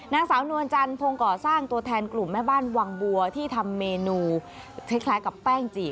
นางสาวนวลจันทงก่อสร้างตัวแทนกลุ่มแม่บ้านวังบัวที่ทำเมนูคล้ายกับแป้งจี่